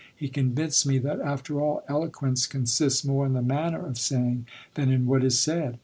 He convinced me that, after all, eloquence consists more in the manner of saying than in what is said.